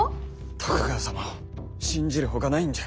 徳川様を信じるほかないんじゃ。